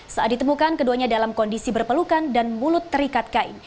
saat ditemukan keduanya dalam kondisi berpelukan dan mulut terikat kain